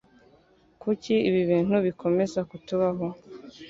Kuki ibi bintu bikomeza kutubaho?